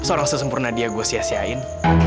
orang yang sempurna dia gue sia siain